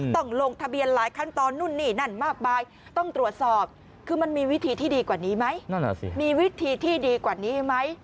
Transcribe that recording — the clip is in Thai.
ต้องลงทะเบียนหลายขั้นตอนนู่นนี่นั่นมากไปต้องตรวจสอบคือมันมีวิธีที่ดีกว่านี้ไหม